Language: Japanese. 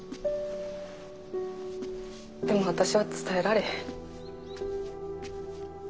でも私は伝えられへん。